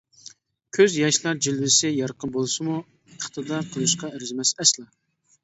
كۆز ياشلار جىلۋىسى يارقىن بولسىمۇ، ئىقتىدا قىلىشقا ئەرزىمەس ئەسلا.